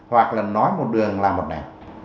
hoặc là nói một đường làm một nẻ